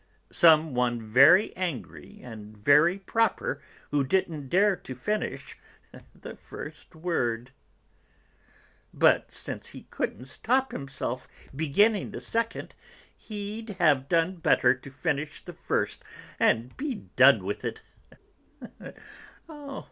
"Some one very angry and very proper who didn't dare to finish the first word." "But since he couldn't stop himself beginning the second, he'd have done better to finish the first and be done with it.